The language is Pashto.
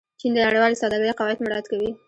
چین د نړیوالې سوداګرۍ قواعد مراعت کوي.